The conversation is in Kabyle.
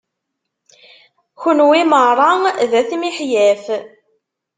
Kunwi meṛṛa d at miḥyaf.